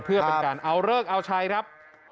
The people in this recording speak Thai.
เพื่อเป็นการเอาเลิกเอาใช้ครับ